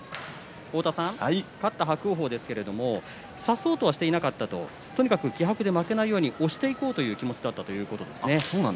勝った伯桜鵬差そうとはしていなかった気迫で負けないように押していこうという気持ちだったということです。